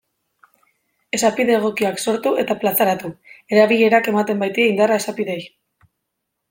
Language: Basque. Esapide egokiak sortu eta plazaratu, erabilerak ematen baitie indarra esapideei.